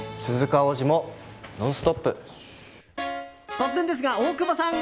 突然ですが、大久保さん。